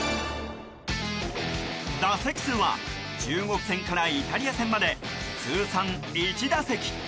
打席数は中国戦からイタリア戦まで、通算１打席。